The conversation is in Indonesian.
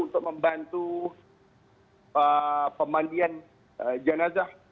untuk membantu pemandian jenazah